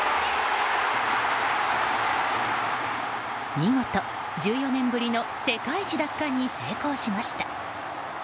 見事、１４年ぶりの世界一奪還に成功しました。